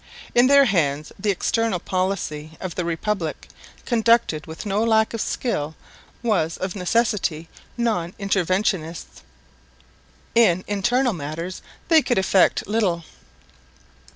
In their hands the external policy of the Republic, conducted with no lack of skill, was of necessity non interventionist. In internal matters they could effect little.